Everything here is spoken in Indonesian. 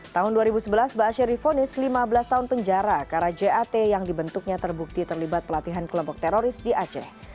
tahun dua ribu sebelas ⁇ asyir ⁇ difonis lima belas tahun penjara karena jat yang dibentuknya terbukti terlibat pelatihan kelompok teroris di aceh